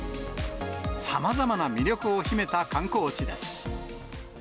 さまざまな魅力を秘めた観光地です。